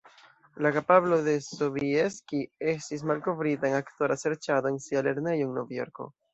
La kapablo de Sobieski estis malkovrita en aktora serĉado en sia lernejo, en Novjorko.